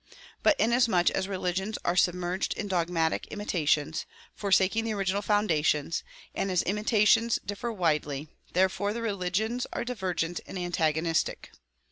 But inasmuch as religions are submerged in dogmatic imitations, forsaking the original foundations, and as imitations differ widely, therefore the religions are divergent and antagonistic.